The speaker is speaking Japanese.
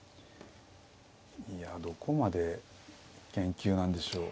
いやどこまで研究なんでしょう。